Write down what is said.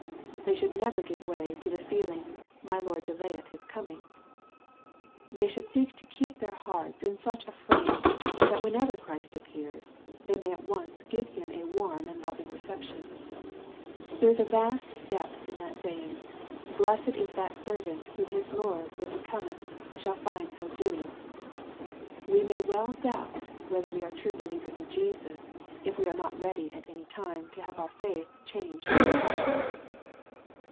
They should never give way to the feeling, "my Lord delayeth his coming." They should seek to keep their hearts in such a frame, that whenever Christ appears, they may at once give Him a warm and loving reception. There is a vast depth in that saying, " Blessed is that servant, whom his Lord when he cometh shall find so doing."( We may well doubt whether Wfe are true believers in Jesus, if we are not ready at any time to have our faith changed into sight.